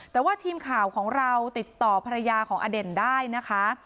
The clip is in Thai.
แต่ว่าทีมข่าวของเราติดต่อภรรยาของอเด่นได้นะคะ